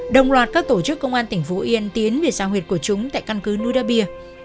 đồng loạt các tổ chức công an tỉnh phú yên tiến về sao huyệt của chúng tại căn cứ nui đa bia